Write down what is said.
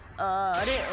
あれ？